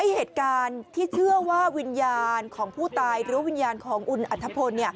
เหตุการณ์ที่เชื่อว่าวิญญาณของผู้ตายหรือวิญญาณของคุณอัธพล